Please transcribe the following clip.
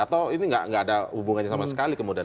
atau ini nggak ada hubungannya sama sekali kemudian